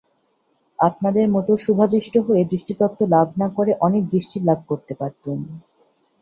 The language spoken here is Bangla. আপনাদের মতো শুভাদৃষ্ট হলে দৃষ্টিতত্ত্ব লাভ না করে অনেক দৃষ্টি লাভ করতে পারতুম।